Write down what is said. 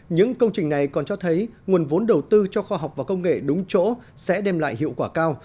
những công trình này còn cho thấy nguồn vốn đầu tư cho khoa học và công nghệ đúng chỗ sẽ đem lại hiệu quả cao